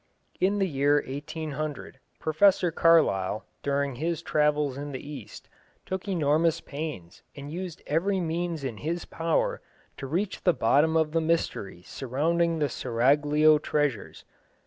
In the year 1800 Professor Carlyle, during his travels in the East, took enormous pains and used every means in his power to reach the bottom of the mystery surrounding the Seraglio treasures.